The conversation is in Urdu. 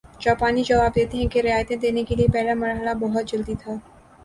جاپانی جواب دیتے ہیں کہ رعایتیں دینے کے لیے پہلا مرحلہ بہت جلدی تھا